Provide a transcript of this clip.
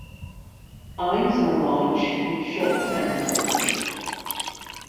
Eyes are large with short temple.